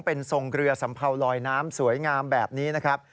เป็นทรงเรือสัมเภาลอยน้ำสวยงามแบบนี้นะครับ